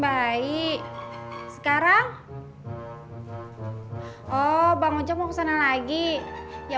bagaimana cara liat gobierno sebenarnya